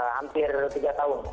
hampir tiga tahun